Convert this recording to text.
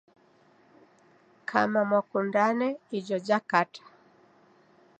Kama mwakundane ijo jakata